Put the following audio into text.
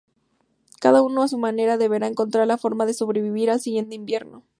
Cada uno a su manera deberá encontrar la forma de sobrevivir al siguiente invierno.